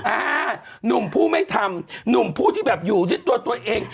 อ่าหนุ่มผู้ไม่ทำหนุ่มผู้ที่แบบอยู่ด้วยตัวตัวเอง